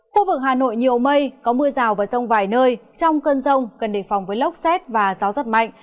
khu vực hà nội nhiều mây có mưa rào và rông vài nơi trong cơn rông cần đề phòng với lốc xét và gió rất mạnh